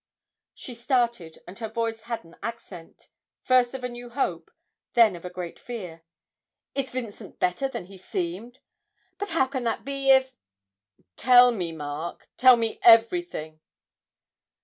She started, and her voice had an accent, first of a new hope, then of a great fear. 'Is Vincent better than he seemed? But how can that be if tell me, Mark, tell me everything.'